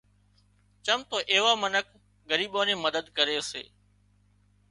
چم تو ايوان منک ڳريٻان نِي مدد ڪري سي